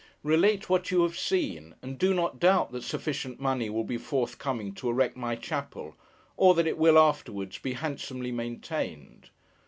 Relate what you have seen; and do not doubt that sufficient money will be forthcoming to erect my chapel, or that it will, afterwards, be handsomely maintained.